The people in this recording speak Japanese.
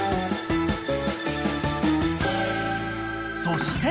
［そして］